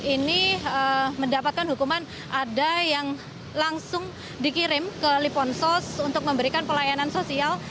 ini mendapatkan hukuman ada yang langsung dikirim ke liponsos untuk memberikan pelayanan sosial